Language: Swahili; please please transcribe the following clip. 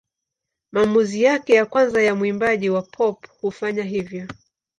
Maamuzi yake ya kwanza ya mwimbaji wa pop kufanya hivyo.